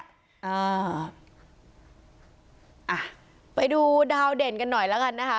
อ่าไปดูดาวเด่นกันหน่อยแล้วกันนะคะ